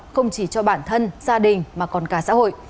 không chỉ cho bản thân gia đình mà còn cả xã hội